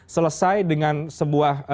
selesai dengan sebuah